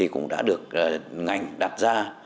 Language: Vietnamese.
cũng đã được ngành đặt ra